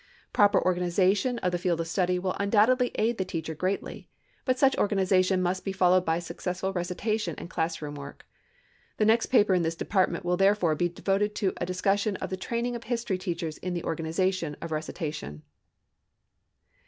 Proper organization of the field of study will undoubtedly aid the teacher greatly, but such organization must be followed by successful recitation and class room work. The next paper in this department will therefore, be devoted to a discussion of the training of history teachers in the organization of the recitation.